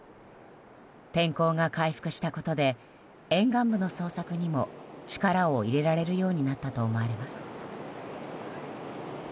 天候が回復したことで沿岸部の捜索にも力を入れられるようになったと思われます。